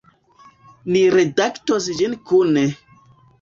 Ni redaktos ĝin kune.